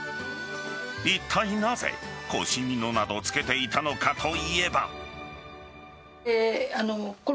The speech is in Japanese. いったいなぜ、腰みのなどつけていたのかといえば。